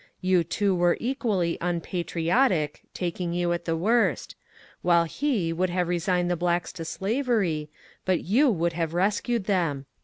You two were equally ' unpatriotic ' (taking you at the worst) ; while he would have resigned the blacks to slavery, but you would have rescued them."